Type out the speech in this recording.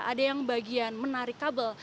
ada yang bagian menarik kabel